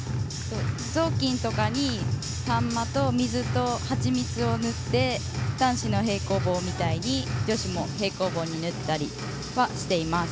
ぞうきんとかに、炭マと水と蜂蜜を塗って男子の平行棒みたいに女子も平行棒に塗ったりはしています。